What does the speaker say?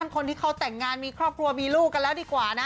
คนที่เขาแต่งงานมีครอบครัวมีลูกกันแล้วดีกว่านะ